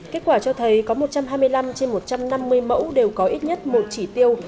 kết quả cho thấy có một trăm hai mươi năm trên một trăm năm mươi mẫu đều có ít nhất một chỉ tiêu